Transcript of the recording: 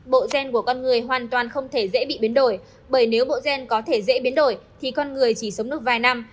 bộ gen của con người hoàn toàn không thể dễ bị biến đổi bởi nếu bộ gen có thể dễ biến đổi thì con người chỉ sống được vài năm